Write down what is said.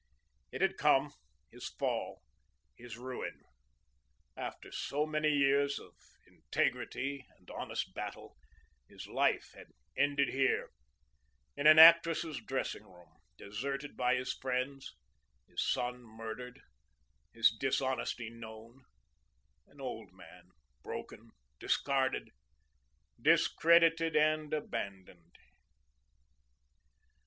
It had come his fall, his ruin. After so many years of integrity and honest battle, his life had ended here in an actress's dressing room, deserted by his friends, his son murdered, his dishonesty known, an old man, broken, discarded, discredited, and abandoned.